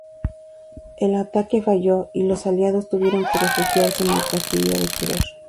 El ataque falló y los aliados tuvieron que refugiarse en el Castillo de Tver.